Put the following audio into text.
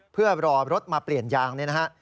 เพื่อรอรถมาเปลี่ยนยาง